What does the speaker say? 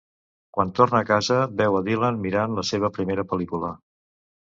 Quan torna a casa, veu a Dylan mirant la seva primera pel·lícula.